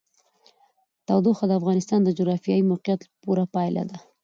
تودوخه د افغانستان د جغرافیایي موقیعت پوره پایله ده.